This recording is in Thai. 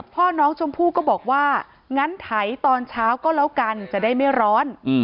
พ่อน้องชมพู่ก็บอกว่างั้นไถตอนเช้าก็แล้วกันจะได้ไม่ร้อน